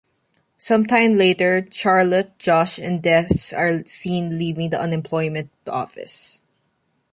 Some time later, Charlotte, Josh, and Des are seen leaving the unemployment office.